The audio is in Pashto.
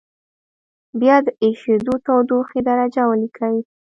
بیا د اېشېدو تودوخې درجه ولیکئ.